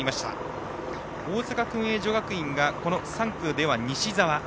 大阪薫英女学院が３区では西澤。